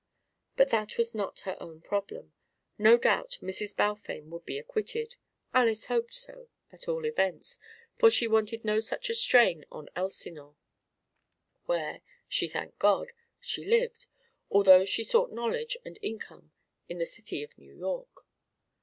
But that was not her own problem. No doubt Mrs. Balfame would be acquitted; Alys hoped so, at all events, for she wanted no such a stain on Elsinore, where, she thanked God, she lived, although she sought knowledge and income in the City of New York.